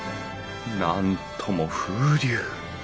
なんとも風流！